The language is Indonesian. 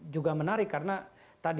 juga menarik karena